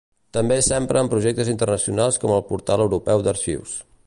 També s'empra en projectes internacionals com el Portal europeu d'arxius.